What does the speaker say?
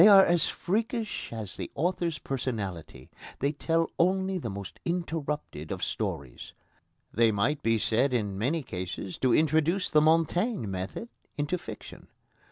They are as freakish as the author's personality; they tell only the most interrupted of stories. They might be said in many cases to introduce the Montaigne method into fiction.